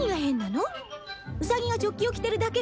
「ウサギがチョッキを着てるだけ」